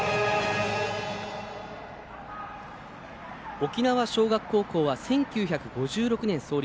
沖縄尚学高校は１９５６年創立。